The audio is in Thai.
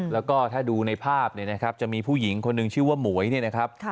แล้วก็ถ้าดูในภาพเนี่ยนะครับจะมีผู้หญิงคนหนึ่งชื่อว่าหมวยเนี่ยนะครับ